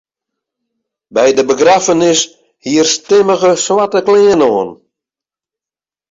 By de begraffenis hie er stimmige swarte klean oan.